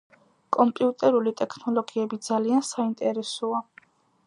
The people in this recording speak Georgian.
კომპიუტერული ტექნოლოგიები ძალიან საინტერესოა